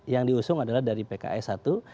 yang diusung adalah dari pks satu